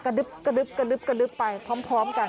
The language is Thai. กระดึ๊บกระดึ๊บกระดึ๊บกระดึ๊บไปพร้อมพร้อมกัน